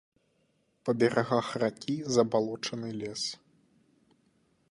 Па берагах ракі забалочаны лес.